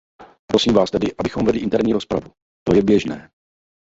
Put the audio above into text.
Prosím vás tedy, abychom vedli interní rozpravu; to je běžné.